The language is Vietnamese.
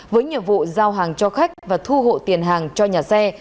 với nhiệm vụ giao hàng cho khách và thu hộ tiền hàng cho nhà xe